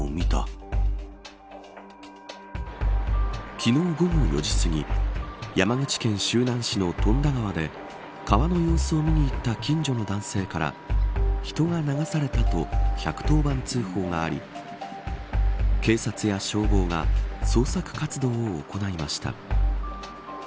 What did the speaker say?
昨日午後４時すぎ山口県周南市の富田川で川の様子を見に行った近所の男性から人が流されたと１１０番通報があり警察や消防が捜索活動を行いました。